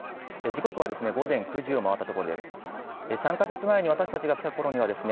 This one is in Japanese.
時刻は午前９時を回ったところです。